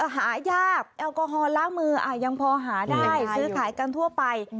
หายากแอลกอฮอลล้างมือยังพอหาได้ซื้อขายกันทั่วไป